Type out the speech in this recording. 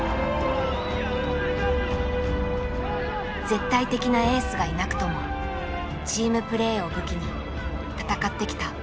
絶対的なエースがいなくともチームプレーを武器に戦ってきた。